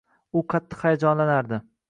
U qattiq hayajonlanardi